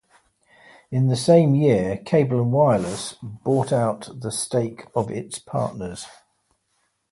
The same year, Cable and Wireless bought out the stake of its partners.